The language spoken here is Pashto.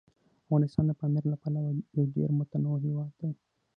افغانستان د پامیر له پلوه یو ډېر متنوع هیواد دی.